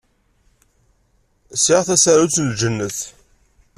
Sɛiɣ tasarut n Ljennet.